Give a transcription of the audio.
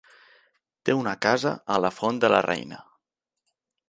Té una casa a la Font de la Reina.